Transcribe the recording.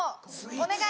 お願い！